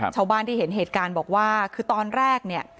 ชาวบ้านที่เห็นเหตุการณ์บอกว่าคือตอนแรกเนี่ย